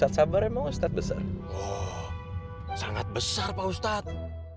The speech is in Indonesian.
terima kasih ibu haji